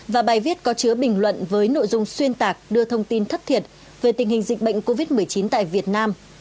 và bài viết có chứa bình luận với nội dung xuyên tạc đưa thông tin thất thiệt về tình hình dịch bệnh covid một mươi chín tại việt nam